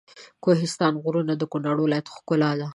د کوهستان غرونه د کنړ ولایت ښکلا ده.